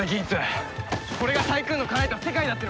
これがタイクーンのかなえた世界だってのか！？